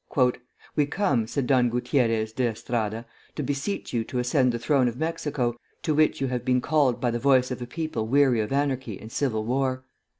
"We come," said Don Gutierrez de Estrada, "to beseech you to ascend the throne of Mexico, to which you have been called by the voice of a people weary of anarchy and civil war.